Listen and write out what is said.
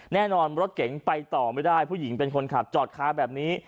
แน่นอนรถเก๋งไปต่อไม่ได้ผู้หญิงเป็นคนขับจอดค้าแบบนี้